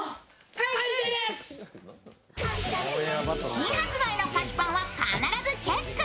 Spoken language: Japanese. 新発売の菓子パンは必ずチェック。